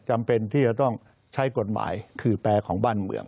จำเป็นที่จะต้องใช้กฎหมายคือแปลของบ้านเมือง